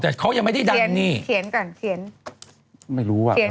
แต่เขายังไม่ได้ดันเนี้ย